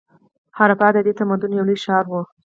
هراپا د دې تمدن یو لوی ښار و.